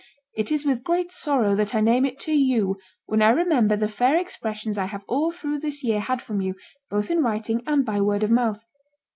It is with great sorrow that I name it to you, when I remember the fair expressions I have all through this year had from you, both in writing and by word of mouth.